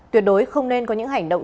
tuyệt đối không nên có những hành động